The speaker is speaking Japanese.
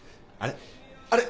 あれ？